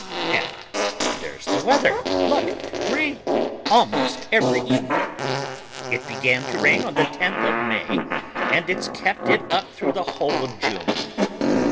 And there's the weather. Look! Rain almost every evening. It began to rain on the tenth of May, and it's kept it up through the whole of June.